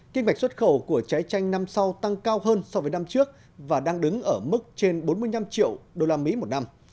kinh mạch xuất khẩu của trái chanh năm sau tăng cao hơn so với năm trước và đang đứng ở mức trên bốn mươi năm triệu usd một năm